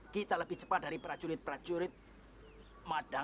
kami berangkat lelurah